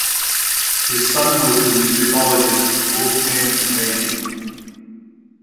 His son was the musicologist Wolfgang Rehm.